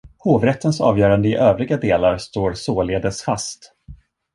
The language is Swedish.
Hovrättens avgörande i övriga delar står således fast.